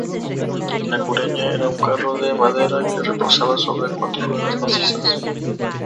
La cureña era un carro de madera que reposaba sobre cuatro ruedas macizas.